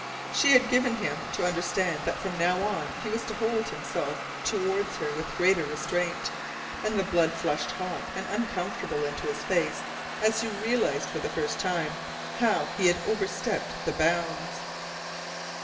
She had given him to understand that from now on he was to hold himself toward her with greater restraint, and the blood flushed hot and uncomfortable into his face as he realized for the first time how he had overstepped the bounds.